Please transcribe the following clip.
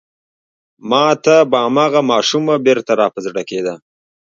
ما ته به هماغه ماشومه بېرته را په زړه کېده.